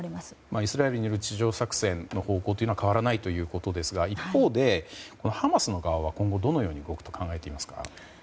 イスラエルによる地上作戦の方向は変わらないということですが一方で、ハマス側は今後、どう動くと考えられますか？